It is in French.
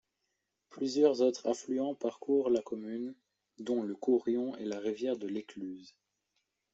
Plusieurs autres affluents parcourent la commune, dont le Courion et la rivière de l'Écluse.